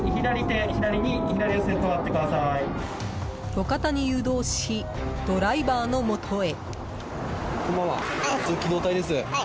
路肩に誘導しドライバーのもとへ。